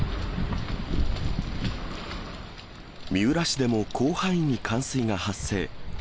三浦市でも広範囲に冠水が発生。